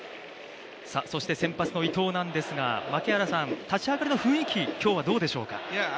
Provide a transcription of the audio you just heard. そして先発の伊藤なんですが立ち上がりの雰囲気どうでしょうか？